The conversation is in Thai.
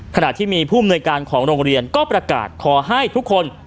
ขณะที่มีผู้อำนวยการของโรงเรียนก็ประกาศขอให้ทุกคน